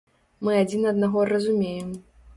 Мы адзін аднаго разумеем.